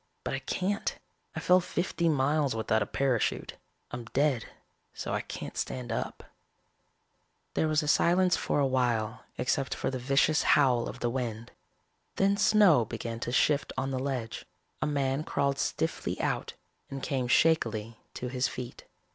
But I can't. I fell fifty miles without a parachute. I'm dead so I can't stand up." There was silence for a while except for the vicious howl of the wind. Then snow began to shift on the ledge. A man crawled stiffly out and came shakily to his feet.